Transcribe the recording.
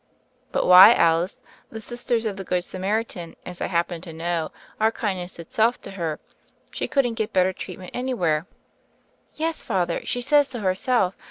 "But why, Alice? The Sisters of the Good Samaritan, as I happen to know, are kindness itself to her: she couldn't get better treatment anywhere." "Yes, Father, she says so herself.